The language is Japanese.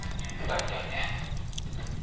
大体ね